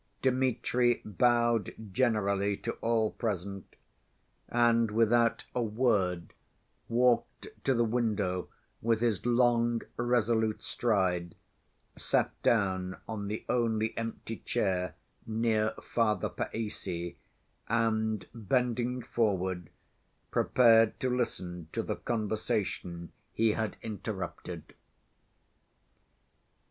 Dmitri bowed generally to all present, and without a word walked to the window with his long, resolute stride, sat down on the only empty chair, near Father Païssy, and, bending forward, prepared to listen to the conversation he had interrupted.